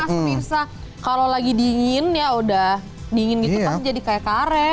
pemirsa kalau lagi dingin ya udah dingin gitu pas jadi kayak karet